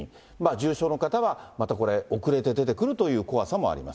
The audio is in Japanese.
重症の方はまたこれ、遅れて出てくるという怖さもあります。